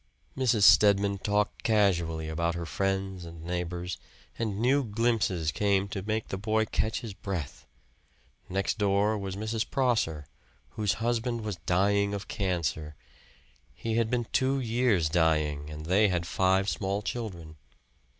Mrs. Stedman talked casually about her friends and neighbors, and new glimpses came to make the boy catch his breath. Next door was Mrs. Prosser, whose husband was dying of cancer; he had been two years dying, and they had five small children.